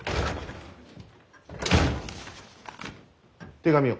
手紙を。